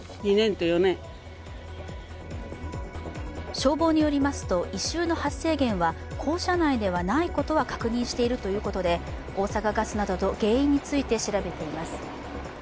消防によりますと異臭の発生源は校舎内ではないことは確認しているということで大阪ガスなどと原因について調べています。